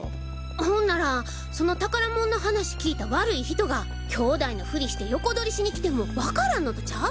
ほんならその宝物の話聞いた悪い人が兄弟のフリして横取りしに来てもわからんのとちゃう？